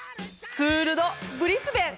ツール・ド・ブリスベン。